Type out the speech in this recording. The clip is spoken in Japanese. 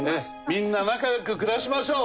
みんな仲良く暮らしましょう。